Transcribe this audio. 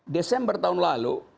desember tahun lalu